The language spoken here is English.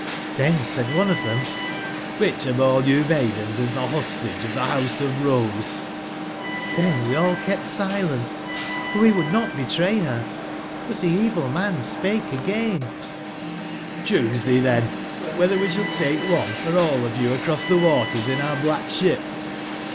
Xthen said one of them :* ^hich of all you maidens is the Hostage of the House of the Rose?' IThen all we kept silence, for wewould not betray her. But the evil man spake again: 'Choose ye then whether we shall take one, or all of you across the waters in our black ship.'